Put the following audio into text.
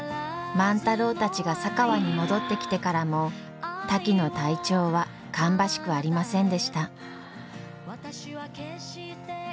万太郎たちが佐川に戻ってきてからもタキの体調は芳しくありませんでした。